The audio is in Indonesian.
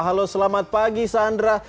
halo selamat pagi sandra